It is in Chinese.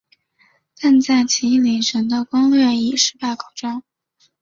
但在骑牟礼城的攻略以失败告终。